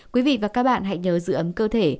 quý vị và các bạn hãy nhớ giữ ấm cơ thể